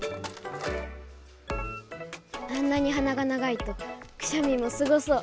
あんなにはなが長いとクシャミもすごそう。